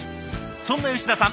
そんな吉田さん